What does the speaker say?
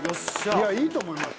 いやいいと思います。